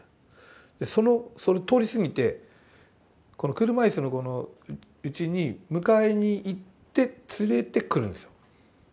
そのそれ通り過ぎてこの車椅子の子のうちに迎えに行って連れてくるんですよ。